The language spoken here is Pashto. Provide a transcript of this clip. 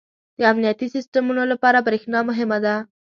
• د امنیتي سیسټمونو لپاره برېښنا مهمه ده.